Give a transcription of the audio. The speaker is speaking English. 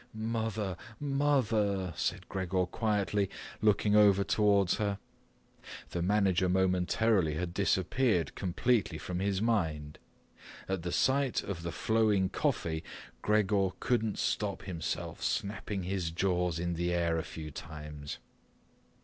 "Mother, mother," said Gregor quietly, and looked over towards her. The manager momentarily had disappeared completely from his mind. At the sight of the flowing coffee Gregor couldn't stop himself snapping his jaws in the air a few times